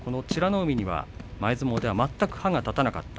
海には前相撲では全く歯が立たなかった。